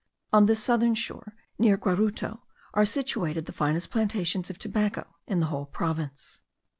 On this southern shore, near Guaruto, are situated the finest plantations of tobacco in the whole province.